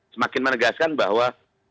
semakin menegaskan bahwa